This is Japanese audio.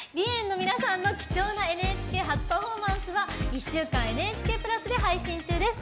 ‐の皆さんの貴重なＮＨＫ初パフォーマンスは１週間「ＮＨＫプラス」で配信中です。